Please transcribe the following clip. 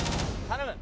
頼む！